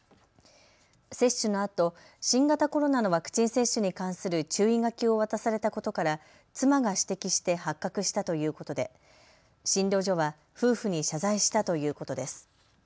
接種のあと新型コロナのワクチン接種に関する注意書きを渡されたことから妻が指摘して発覚したということで診療所は夫婦に謝罪したということです。